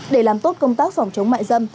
để làm tốt công tác phòng chống mại dâm